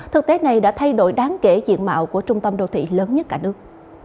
thực tế này đã thay đổi đáng kể diện mạo của trung tâm đô thị lớn nhất cả nước